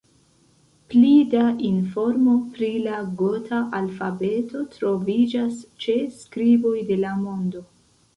Pli da informo pri la gota alfabeto troviĝas ĉe Skriboj de la Mondo.